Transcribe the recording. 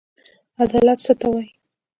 عدالت څه ته وايي.